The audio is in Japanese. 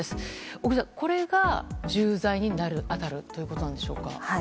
小栗さん、これが重罪に当たるということなんでしょうか。